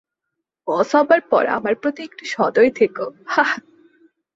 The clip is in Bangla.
বস হবার পর আমার প্রতি একটু সদয় থেকো, হাহ?